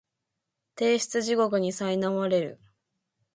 提出地獄にさいなまれる